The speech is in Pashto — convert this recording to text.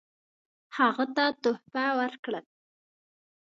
هغه ته تحفې ورکړل.